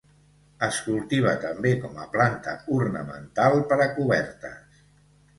Es cultiva també com a planta ornamental per a cobertes.